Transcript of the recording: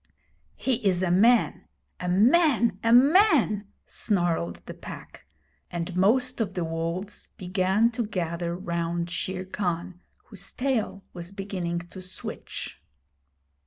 'He is a man a man a man !' snarled the Pack; and most of the wolves began to gather round Shere Khan, whose tail was beginning to switch.